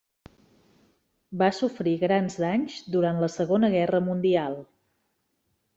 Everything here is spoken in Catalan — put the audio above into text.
Va sofrir grans danys durant la Segona Guerra Mundial.